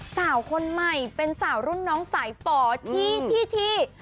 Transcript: สาวคนใหม่เป็นสาวรุ่นน้องสายฝ่อที่